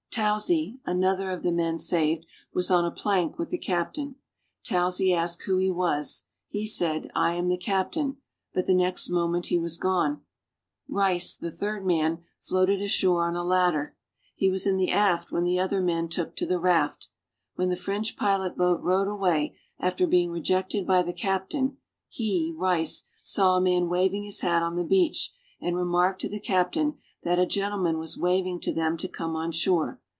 Towsey, another of the men saved, was on a plank with the captain. Towsey asked who he was? He said "I am the captain," but the next moment he was gone. Rice, the third man, floated ashore on a ladder. He was in the aft when the other men took to the raft. When the French pilot boat rowed away, after being rejected by the captain, he (Rice) saw a man waving his hat on the beach, and remarked to the captain that a gentleman was waving to them to come on shore.